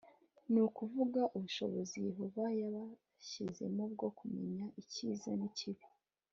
ni ukuvuga ubushobozi yehova yabashyizemo bwo kumenya ikiza n ikibi